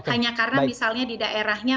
hanya karena misalnya di daerahnya